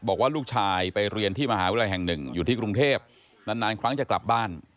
บอกว่าลูกชายไปเรียนที่มหาวิทยาลัยแห่งหนึ่งอยู่ที่กรุงเทพนานครั้งจะกลับบ้าน